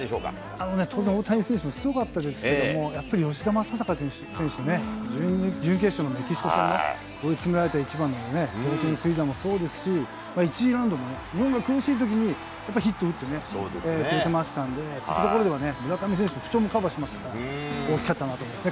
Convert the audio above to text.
あのね、当然、大谷選手もすごかったですけども、やっぱり吉田正尚選手の準決勝のメキシコ戦、追い詰められたいちばんでも、そうですし、１次ラウンドも日本が苦しいときにヒット打ってね、くれてましたんで、そういうところでは、村上選手の不調もカバーしましたから、大きかったなと思いますね。